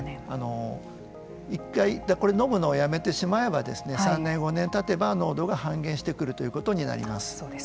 １回飲むのをやめてしまえば３年、５年たてば濃度が半減してくるということになります。